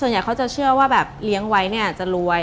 อยากจะเชื่อว่าแบบเลี้ยงไว้เนี่ยจะรวย